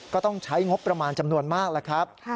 ก็ต้องใช้งบประมาณจำนวนมากแล้วครับ